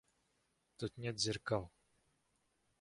— Тут нет зеркал.